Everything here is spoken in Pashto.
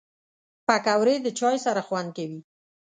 پکورې د چای سره خوند کوي